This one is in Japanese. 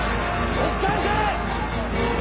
押し返せ！